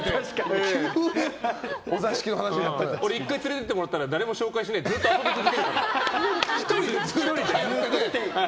俺１回連れて行ってもらっても誰も紹介しないでずっと遊び続けるからな。